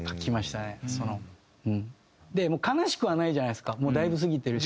悲しくはないじゃないですかもうだいぶ過ぎてるし。